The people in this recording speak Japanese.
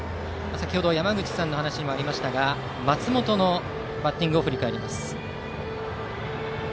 先程山口さんの話にもありましたが松本のバッティングを振り返ります。